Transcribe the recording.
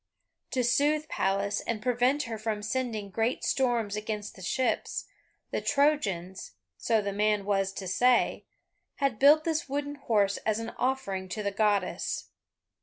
To soothe Pallas and prevent her from sending great storms against the ships, the Trojans (so the man was to say) had built this wooden horse as an offering to the Goddess.